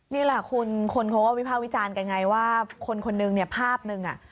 นี่แหละคุณคนโครววิภาควิจารณ์ว่าคนหนึ่งภาพหนึ่ง